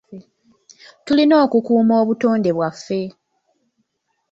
Tulina okukuuma obutonde bwaffe.